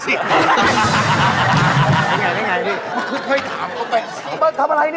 ราคาไม่แพง